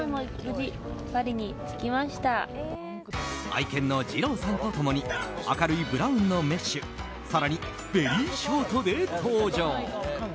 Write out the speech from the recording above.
愛犬のじろうさんと共に明るいブラウンのメッシュ更にベリーショートで登場。